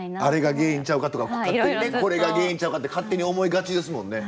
あれが原因ちゃうかとか勝手にねこれが原因ちゃうかって勝手に思いがちですもんね。